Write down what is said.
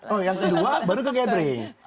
oh yang kedua baru ke catering